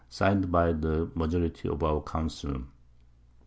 Sign'd by the Majority of our Council.